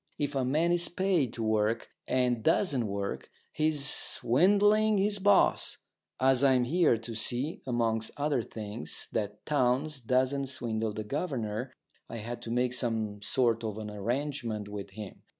If a man is paid to work, and doesn't work, he's swindling his boss. As I'm here to see, amongst other things, that Townes doesn't swindle the governor, I had to make some sort of an arrangement with him.